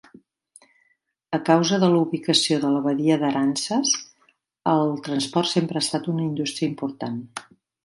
A causa de la ubicació de la badia d'Aransas, el transport sempre ha estat una indústria important.